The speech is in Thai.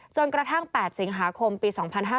จนกระทั่ง๘สิงหาคมปี๒๕๕๙